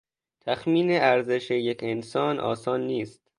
تخمین ارزش یک انسان آسان نیست.